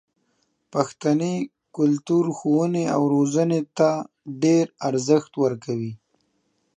پښتني کلتور ښوونې او روزنې ته ډېر ارزښت ورکوي.